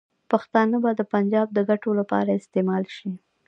پښتانه به د پنجاب د ګټو لپاره استعمال شي.